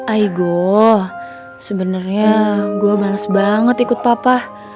aigoo sebenernya gua bales banget ikut papa